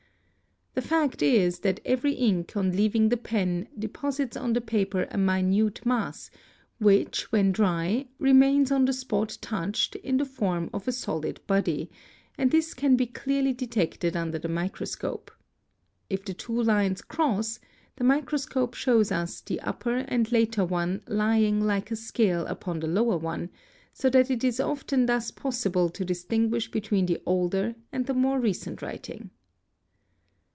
The fact is that every ink, on leaving the pen, deposits on the paper a minute mass, | which when dry remains on the spot touched in the form of a solid body, and this can be clearly detected under the microscope. If the two lines _ cross, the microscope shows us the upper and later one lying like a scale _ upon the lower one, so that it is often thus possible to distinguish between the older and the more recent writing.